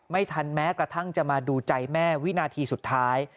ไม่ทันแม้กระทั่งจะมาดูใจแม่วินาทีสุดท้าย